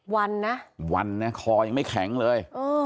วันนะวันนะคอยังไม่แข็งเลย